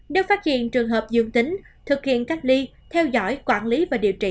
nếu phát hiện trường hợp dương tính thực hiện cách ly theo dõi quản lý và điều trị